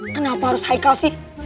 kenapa harus haikal sih